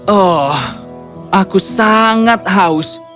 oh aku sangat haus